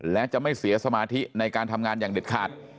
และจะไม่เสียสมาธิในการทำงานอย่างเด็ดขาด